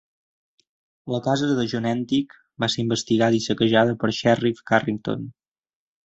La casa de John Entick va ser investigada i saquejada per Sherriff Carrington.